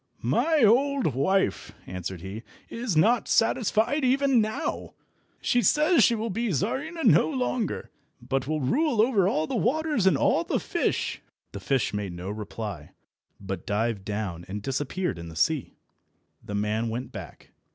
"My old wife," answered he, "is not satisfied even now. She says she will be Czarina no longer, but will rule over all the waters and all the fish." The fish made no reply, but dived down and disappeared in the sea. The man went back.